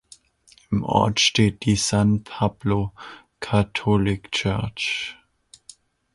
Im Ort steht die "San Pablo Catholic Church".